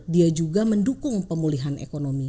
dia juga mendukung pemulihan ekonomi